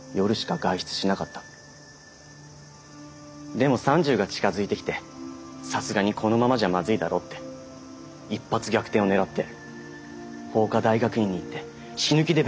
でも３０が近づいてきてさすがにこのままじゃまずいだろうって一発逆転を狙って法科大学院に行って死ぬ気で勉強して司法試験受けたんです。